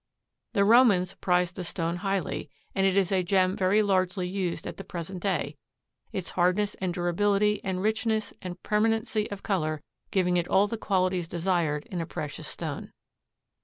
The Romans prized the stone highly, and it is a gem very largely used at the present day, its hardness and durability and richness and permanency of color giving it all the qualities desired in a precious stone.